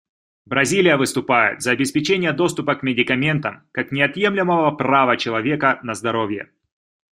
Бразилия выступает за обеспечение доступа к медикаментам как неотъемлемого права человека на здоровье.